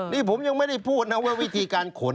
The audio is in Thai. นี่ผมยังไม่ได้พูดนะว่าวิธีการขน